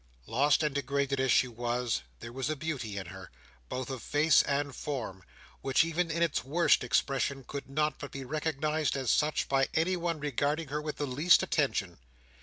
Lost and degraded as she was, there was a beauty in her, both of face and form, which, even in its worst expression, could not but be recognised as such by anyone regarding her with the least attention.